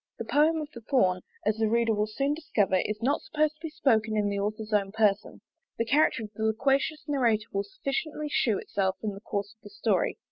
The poem of the Thorn, as the reader will soon discover, is not supposed to be spoken in the author's own person: the character of the loquacious narrator will sufficiently shew itself in the course of the story.